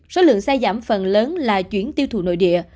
số lượng xe giảm phần lớn là chuyển tiêu thụ nội địa